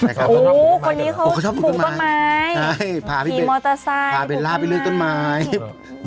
โอ้โฮคนนี้เขาผูกต้นไม้พาพี่เบลล่าไปเลื่อนต้นไม้พี่มอเตอร์ไซด์